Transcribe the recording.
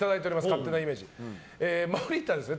勝手なイメージ、森田ですね。